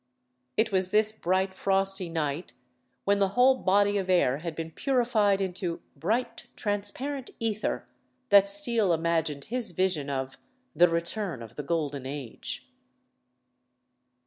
It was this bright frosty night, when the whole body of air had been purified into "bright transparent æther," that Steele imagined his vision of "The Return of the Golden Age."